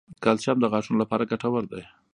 کلسیم د غاښونو لپاره ګټور دی